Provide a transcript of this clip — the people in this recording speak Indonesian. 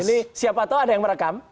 ini siapa tahu ada yang merekam